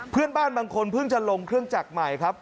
เพื่อนบ้านบางคนเพิ่งจะลงเครื่องจักรใหม่ครับ